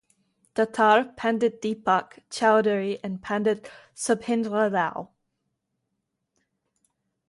Datar, Pandit Deepak Chowdhury and Pandit Shubhendra Rao.